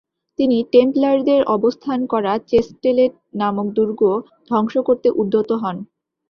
তিনি টেম্পলারদের অবস্থান করা চেস্টেলেট নামক দুর্গ ধ্বংস করতে উদ্যত হন।